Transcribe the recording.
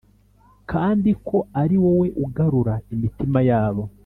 kandi ko ari wowe ugarura imitima yabo